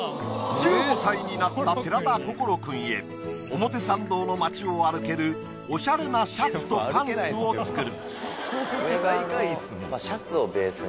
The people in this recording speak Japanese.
１５歳になった寺田心君へ表参道の街を歩けるおしゃれなシャツとパンツを作る。